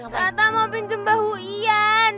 kata mau pinjem bahu ian